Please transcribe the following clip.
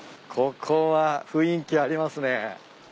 ここは雰囲気ありますね。